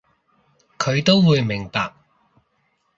佢都會明白